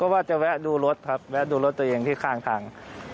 ว่าจะแวะดูรถครับแวะดูรถตัวเองที่ข้างทาง